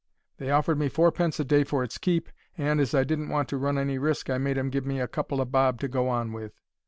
They offered me fourpence a day for its keep, and, as I didn't want to run any risk, I made 'em give me a couple o' bob to go on with.